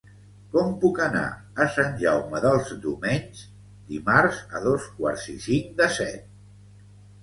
Com puc anar a Sant Jaume dels Domenys dimarts a dos quarts i cinc de set?